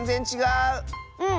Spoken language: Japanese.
うん。